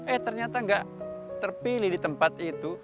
eh ternyata nggak terpilih di tempat itu